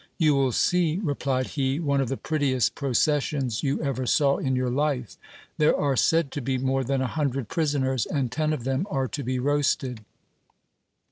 You will see, replied he, one of the prettiest processions you ever saw in your life : there are said to be more than a hundred prisoners, and ten of them are to be roasted.